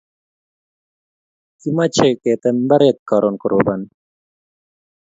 Kimache ketem imabaret karun korobani